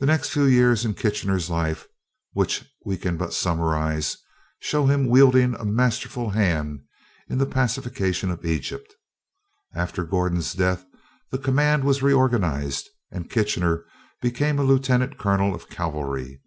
The next few years in Kitchener's life, which we can but summarize, show him wielding a masterful hand in the pacification of Egypt. After Gordon's death, the command was reorganized, and Kitchener became a Lieutenant Colonel of Cavalry.